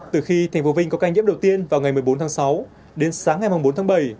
từ khi thành phố vinh có ca nhiễm đầu tiên vào ngày một mươi bốn tháng sáu đến sáng ngày bốn tháng bảy